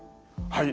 はい。